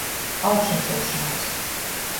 Augšanceļšonuos.